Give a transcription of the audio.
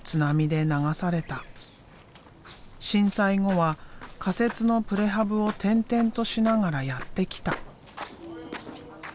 震災後は仮設のプレハブを転々としながらやってきた。